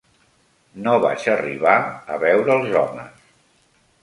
No vaig arribar a veure els homes